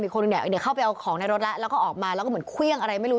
คนหนึ่งเนี่ยเข้าไปเอาของในรถแล้วแล้วก็ออกมาแล้วก็เหมือนเครื่องอะไรไม่รู้